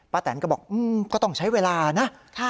แตนก็บอกก็ต้องใช้เวลานะ